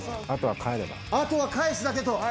あとは返すだけと。